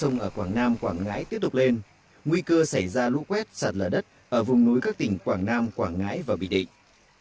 nguy cơ xảy ra lũ quét sạt lở đất ở vùng núi các tỉnh quảng nam quảng ngãi và bình định